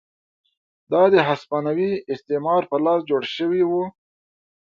دا د هسپانوي استعمار په لاس جوړ شوي وو.